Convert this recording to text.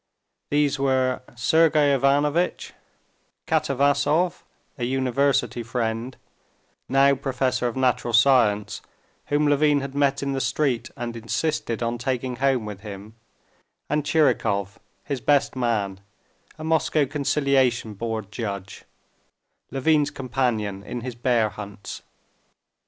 These were Sergey Ivanovitch, Katavasov, a university friend, now professor of natural science, whom Levin had met in the street and insisted on taking home with him, and Tchirikov, his best man, a Moscow conciliation board judge, Levin's companion in his bear hunts.